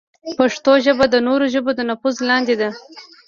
پښتو ژبه د نورو ژبو د نفوذ لاندې ده.